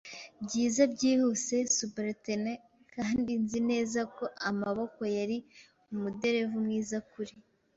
byiza, byihuse subaltern, kandi nzi neza ko Amaboko yari umuderevu mwiza, kuri